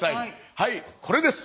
はいこれです！